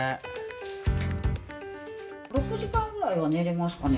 ６時間ぐらいは寝れますかね。